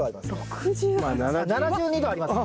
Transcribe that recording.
６８？７２度ありますよ。